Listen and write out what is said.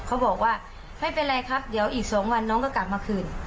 เขาบอกว่าไม่เป็นไรครับเดี๋ยวอีก๒วันน้องก็กลับมาคืน